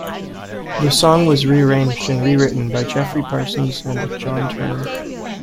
The song was re-arranged and re-written by Geoffrey Parsons and John Turner.